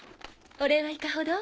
お礼はいかほど？